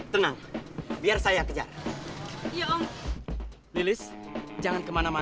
terima kasih sama sama